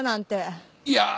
いや。